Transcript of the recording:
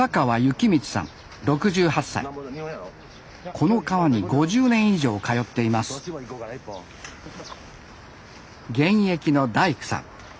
この川に５０年以上通っています現役の大工さん。